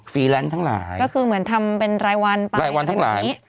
ฟรีแลนซ์ทั้งหลายก็คือเหมือนทำเป็นรายวันรายวันทั้งหลาย